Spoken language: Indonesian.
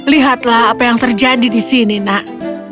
lihatlah apa yang terjadi di sini nak